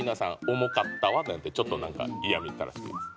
「重かったわ」なんてちょっとなんか嫌みったらしく言うんです。